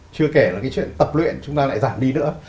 chưa kể là cái chuyện tập luyện chúng ta lại giảm đi nữa